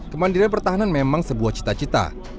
kemandirian pertahanan memang sebuah cita cita